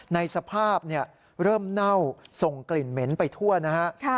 ในสภาพเริ่มเน่าส่งกลิ่นเหม็นไปทั่วนะฮะ